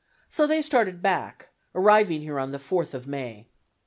So they started back, arriving here on the 4th of May.